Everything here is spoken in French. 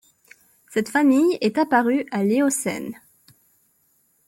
Cette famille est apparue à l'Éocène.